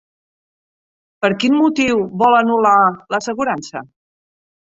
Per quin motiu vol anul·lar l'assegurança?